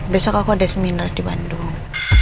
besok aku ada seminar di bandung